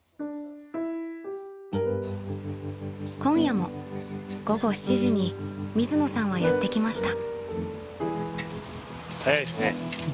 ［今夜も午後７時に水野さんはやって来ました］